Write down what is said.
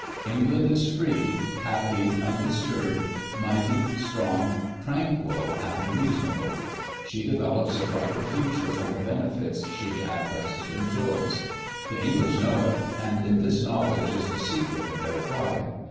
England is free, happy, undisturbed, mighty, strong, tranquil and reasonable; she develops a brighter future from the benefits she at present enjoys. The English know it; and in this knowledge is the secret of their pride.